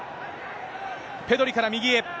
ペドリから右へ。